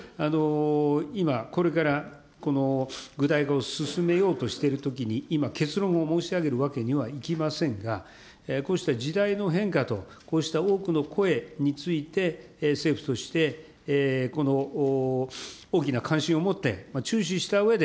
今、これから、具体化を進めようとしているときに、今、結論を申し上げるわけにはいきませんが、こうした時代の変化と、こうした多くの声について、政府として大きな関心を持って注視したうえで、